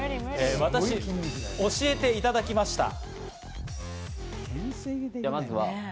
私、教えていただきました。